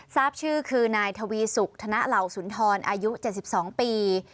ทราบชื่อคือนายทวีสุกธนเหล่าสุนทรอายุ๗๒ปี